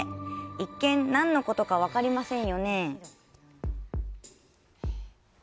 一見、何のことか分かりませんよね？